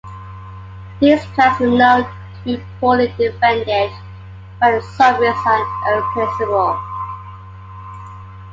These plants were known to be poorly defended by the Soviets and irreplaceable.